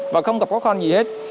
và không gặp khó khăn gì hết